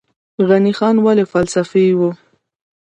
غني خان ولې فلسفي و؟